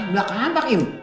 belakang ampak im